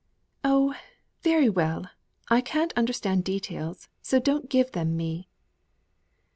"Oh! very well. I can't understand details, so don't give them me."